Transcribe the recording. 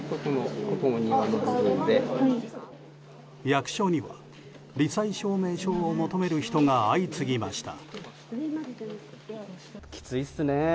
役所には罹災証明書を求める人が相次ぎました。